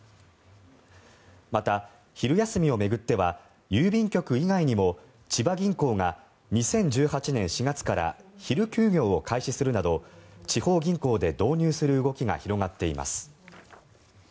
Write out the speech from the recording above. また、昼休みを巡っては郵便局以外にも千葉銀行が２０１８年４月から昼休業を開始するなど地方銀行で導入する動きが広がっています。